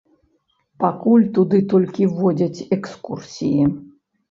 Пакуль туды толькі водзяць экскурсіі.